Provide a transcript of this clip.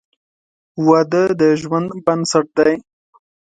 • واده د ژوند بنسټ دی.